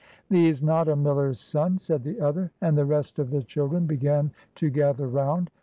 "Thee's not a miller's son," said the other; and the rest of the children began to gather round.